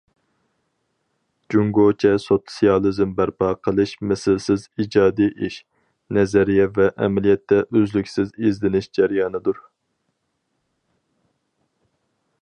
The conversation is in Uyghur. جۇڭگوچە سوتسىيالىزم بەرپا قىلىش مىسلىسىز ئىجادىي ئىش، نەزەرىيە ۋە ئەمەلىيەتتە ئۈزلۈكسىز ئىزدىنىش جەريانىدۇر.